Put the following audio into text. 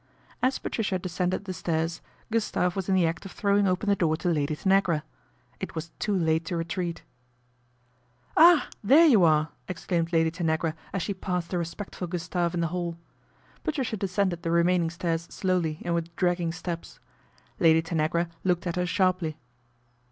As Patricia descended the stairs, Gustave was in the act of throwing open the door to Lady Tanagra. It was too late to retreat. " Ah ! there you are," exclaimed Lady Tanagra as she passed the respectful Gustave in the hall. Patricia descended the remaining stairs slowly and with dragging steps. Lady Tanagra looked at her sharply.